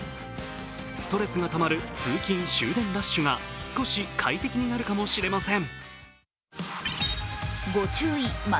ストレスがたまる通勤・終電ラッシュが少し快適になるかもしれません。